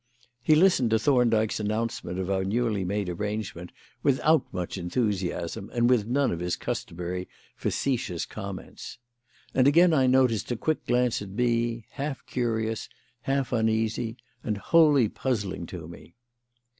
He listened to Thorndyke's announcement of our newly made arrangement without much enthusiasm and with none of his customary facetious comments. And again I noticed a quick glance at me, half curious, half uneasy, and wholly puzzling to me.